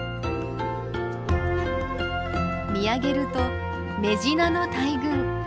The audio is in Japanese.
見上げるとメジナの大群。